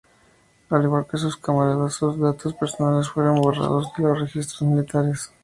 Al igual que sus camaradas, sus datos personales fueron borrados de los registros militares.